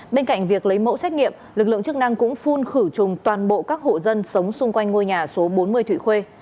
bên cạnh việc lấy mẫu xét nghiệm lực lượng chức năng cũng phun khử trùng toàn bộ các hộ dân sống xung quanh ngôi nhà số bốn mươi thụy khuê